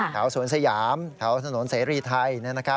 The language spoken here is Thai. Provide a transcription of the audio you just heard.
สวนสยามแถวถนนเสรีไทย